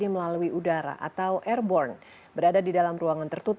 melalui udara atau melalui airborne